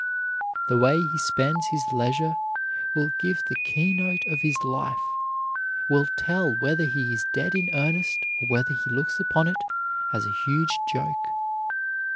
The way he spends his leisure will give the keynote of his life, will tell whether he is dead in earnest, or whether he looks upon it as a huge joke.